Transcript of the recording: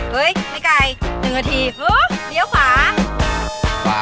เห้ยไอ้ไก่๑อาทีพึ้งเดี๋ยวขวา